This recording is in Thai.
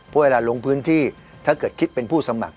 เพราะเวลาลงพื้นที่ถ้าเกิดคิดเป็นผู้สมัคร